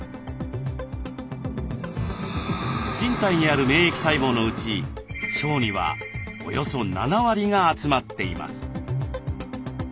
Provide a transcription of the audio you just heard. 人体にある免疫細胞のうち腸にはおよそ７割が集まっています。